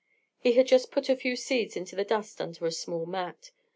He had just put a few seeds into the dust under a small mat.